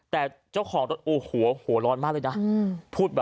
แต่เจ้าของรถ